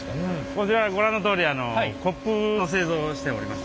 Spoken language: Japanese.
こちらご覧のとおりコップの製造しております。